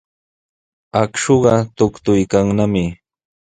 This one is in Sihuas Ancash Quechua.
Akshuqa tuktuykannami.